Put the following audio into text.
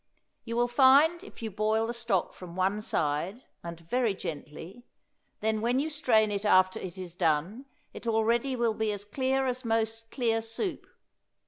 You will find if you boil the stock from one side, and very gently, then when you strain it after it is done it already will be as clear as most clear soup.